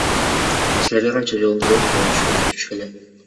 Силерге канча жолу жол тыгынын көрсөтүштү эле?